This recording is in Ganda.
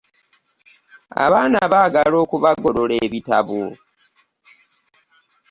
Abaana baagala okubagolola ebitabo.